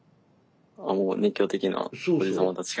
もう熱狂的なおじ様たちが。